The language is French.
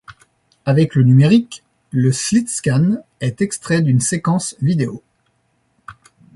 Avec le numérique, le slitscan est extrait d'une séquence vidéo.